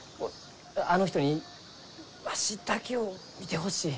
あの人にわしだけを見てほしい。